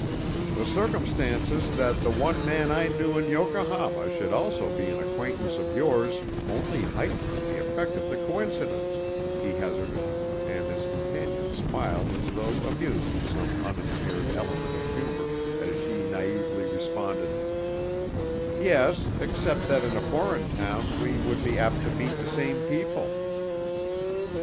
"The circumstance that the one man I knew in Yokohama should also be an acquaintance of yours only heightens the effect of the coincidence," he hazarded, and his companion smiled as though amused at some unimpaired element of humor as she naïvely responded: "Yes except that in a foreign town we would be apt to meet the same people."